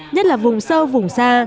nhất là vùng sâu vùng xa